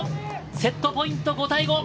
セットポイント５対５。